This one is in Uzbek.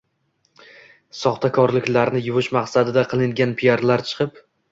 soxtakorliklarini yuvish maqsadida qilingan piarlar chiqib